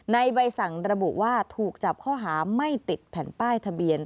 ใบสั่งระบุว่าถูกจับข้อหาไม่ติดแผ่นป้ายทะเบียน